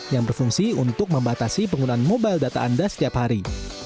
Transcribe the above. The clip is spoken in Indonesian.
yang berfungsi untuk membatasi penggunaan mobile data anda setiap hari